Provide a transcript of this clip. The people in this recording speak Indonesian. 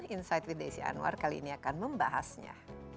insight with desi anwar kali ini akan membahasnya